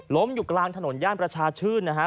อยู่กลางถนนย่านประชาชื่นนะฮะ